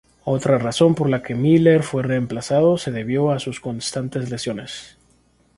Otra razón por la que Miller fue reemplazado se debió a sus constantes lesiones.